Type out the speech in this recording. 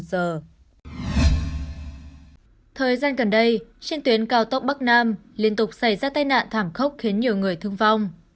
thời gian gần đây trên tuyến cao tốc bắc nam liên tục xảy ra tai nạn thảm khốc khiến nhiều người thương vong